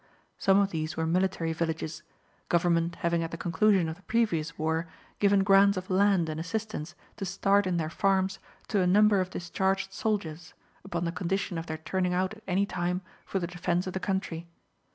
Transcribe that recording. Some of these were military villages, Government having at the conclusion of the previous war given grants of land and assistance to start in their farms to a number of discharged soldiers, upon the condition of their turning out at any time for the defence of the country.